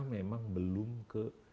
memang belum ke